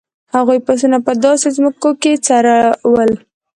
هغوی پسونه په داسې ځمکو کې څرول.